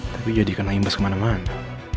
tapi jadikan lain bes kemana mana